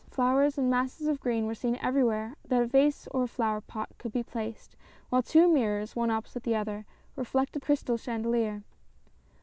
Flowers and masses of green were seen everywhere that a vase or a flower pot could be placed, while two mirrors — one opposite the other — reflected the crystal chandelier.